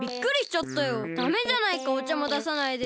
ダメじゃないかおちゃもださないで。